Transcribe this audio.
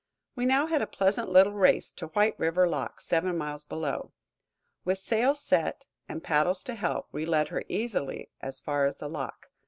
We now had a pleasant little race to White River lock, seven miles below. With sail set, and paddles to help, we led her easily as far as the lock.